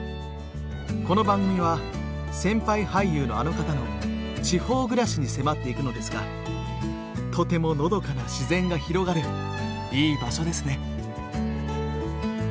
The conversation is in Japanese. この番組は先輩俳優のあの方の地方暮らしに迫っていくのですがとてものどかな自然が広がるいい場所ですね。